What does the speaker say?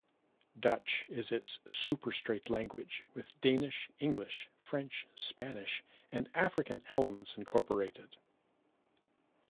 Dutch is its superstrate language with Danish, English, French, Spanish, and African elements incorporated.